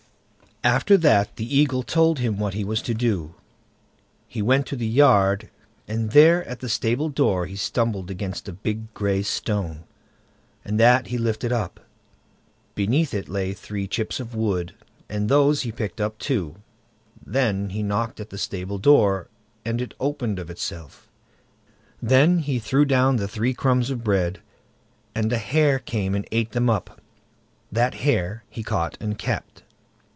After that the Eagle told him what he was to do. He went to the yard, and there at the stable door he stumbled against a big gray stone, and that he lifted up; underneath it lay three chips of wood, and those he picked up too; then he knocked at the stable door, and it opened of itself. Then he threw down the three crumbs of bread, and a hare came and ate them up; that hare he caught and kept.